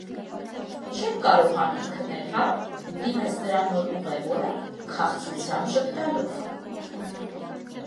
- Չեք կարողանում քնել, հա՞,- դիմեց նրան նոր ուղևորը քաղցրությամբ ժպտալով: